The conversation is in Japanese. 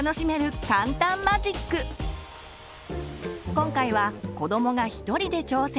今回は子どもが一人で挑戦。